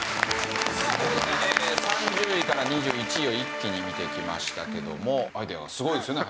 さあという事で３０位から２１位を一気に見てきましたけどもアイデアがすごいですね